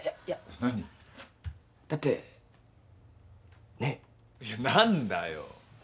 いや。何だよ？